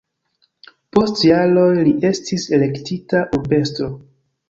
Post jaroj li estis elektita urbestro.